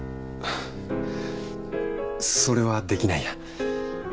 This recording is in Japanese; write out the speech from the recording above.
それはできないや。